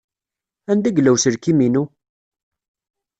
Anda yella uselkim-inu?